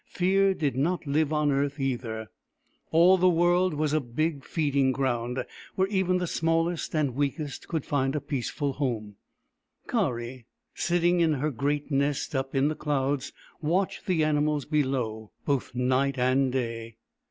Fear did not live on earth either. All the world was a big feeding ground, where even the smallest and weakest could find a peaceful home, Kari, sitting in her great nest up in the clouds, watched the animals below, both night and day.